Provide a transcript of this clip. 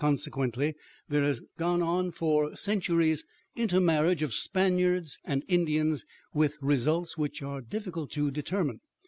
Consequently, there has gone on for centuries intermarriage of Spaniards and Indians with results which are difficult to determine.